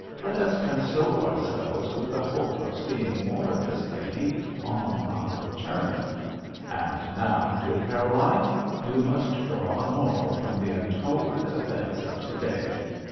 Let us console ourselves with the hope of seeing more of this lady on our return. And now, dear Caroline, you must draw a moral from the untoward events of to day.